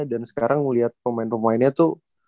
dan sekarang ngeliat pemain pemainnya tuh